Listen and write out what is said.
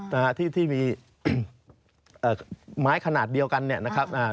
แต่ที่มีไม้ขนาดเดียวกันเนี่ยนะครับ